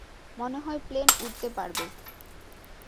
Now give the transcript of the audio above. মনে হয় প্লেন উড়তে পারবে।